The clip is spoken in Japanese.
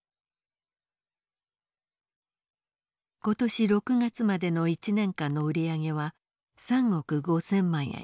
今年６月までの１年間の売り上げは３億５，０００万円。